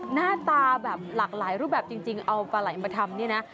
หน้าตาแบบหลากหลายรูปแบบจริงเอาปลาไหลมาทำนี่นะ